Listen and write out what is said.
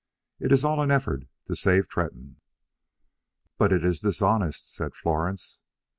It is all an effort to save Tretton." "But it is dishonest," said Florence.